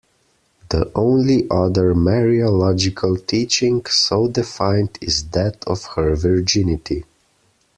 The only other Mariological teaching so defined is that of her virginity.